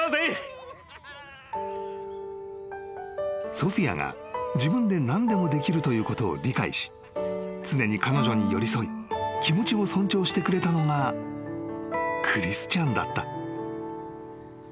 ［ソフィアが自分で何でもできるということを理解し常に彼女に寄り添い気持ちを尊重してくれたのがクリスチャンだった］